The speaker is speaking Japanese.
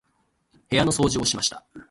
部屋の掃除をしました。